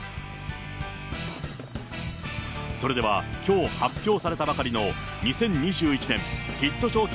それでは、きょう発表されたばかりの、２０２１年ヒット商品